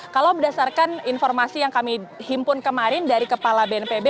kalau berdasarkan informasi yang kami himpun kemarin dari kepala bnpb